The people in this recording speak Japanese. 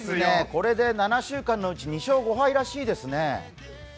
これで７週間のうち２勝５敗らしいですね。